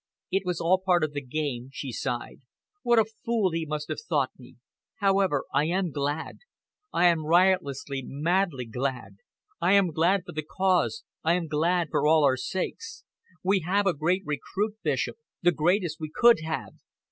"It was all part of the game," she sighed. "What a fool he must have thought me! However, I am glad. I am riotously, madly glad. I am glad for the cause, I am glad for all our sakes. We have a great recruit, Bishop, the greatest we could have.